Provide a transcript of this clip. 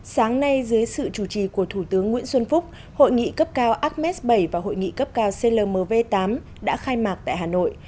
sáng nay dưới sự chủ trì của thủ tướng nguyễn xuân phúc hội nghị cấp cao ames bảy và hội nghị cấp cao clmv tám đã khai mạc tại hà nội